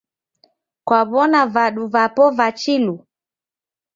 Kwaw'ona vadu vapo va chilu?